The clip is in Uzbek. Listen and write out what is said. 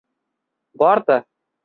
Bordi.